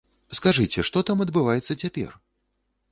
Скажыце, што там адбываецца цяпер?